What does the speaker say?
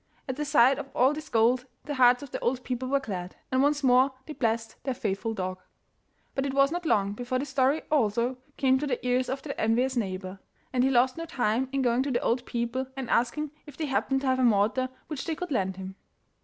At the sight of all this gold the hearts of the old people were glad, and once more they blessed their faithful dog. But it was not long before this story also came to the ears of their envious neighbour, and he lost no time in going to the old people and asking if they happened to have a mortar which they could lend him.